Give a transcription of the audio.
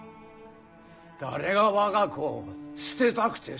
誰が我が子を捨てたくて捨てるか。